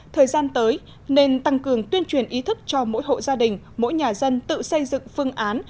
thời gian tới nên tăng cường tuyên truyền ý thức cho mỗi hộ gia đình mỗi nhà dân tự xây dựng phương án